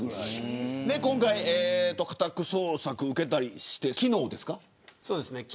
今回、家宅捜索を受けたりして昨日ですか。